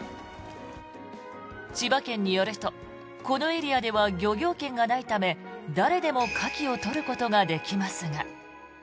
千葉県によるとこのエリアでは漁業権がないため誰でもカキを取ることができますが。